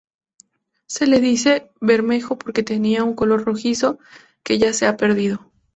Se le dice "Bermejo" porque tenía un color rojizo que ya se ha perdido.